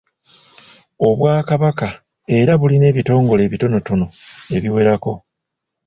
Obwakabaka era bulina ebitongole ebitonotono ebiwerako.